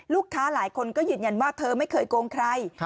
ลูกค้าหลายคนก็ยืนยันว่าเธอไม่เคยโกงใคร